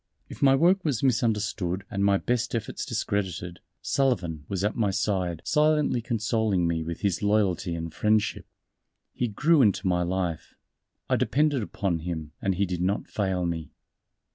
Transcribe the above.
If my work was misunderstood and my best efforts discredited, Sullivan was at my side silently consoling me with his loyalty and friendship. He grew into my life. I depended upon him and he did not fail me.